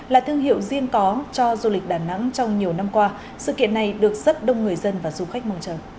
là thương hiệu riêng có cho du lịch đà nẵng trong nhiều năm qua sự kiện này được rất đông người dân và du khách mong chờ